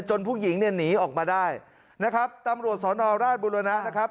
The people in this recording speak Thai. ผู้หญิงเนี่ยหนีออกมาได้นะครับตำรวจสอนอราชบุรณะนะครับ